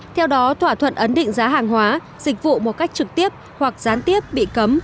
theo đó thỏa thuận ấn định giá hàng hóa dịch vụ một cách trực tiếp hoặc gián tiếp bị cấm